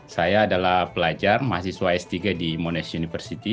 saya adalah pelajar mahasiswa s tiga di monash university